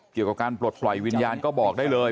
เกี่ยวกับการปลดปล่อยวิญญาณก็บอกได้เลย